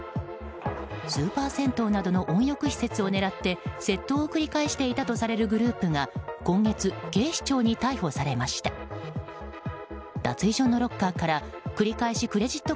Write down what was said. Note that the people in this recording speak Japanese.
スーパー銭湯などの温浴施設を狙って窃盗を繰り返していたとされるグループが今月、警視庁に逮捕されました。